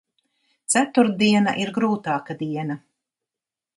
Ceturtdiena ir grūtāka diena.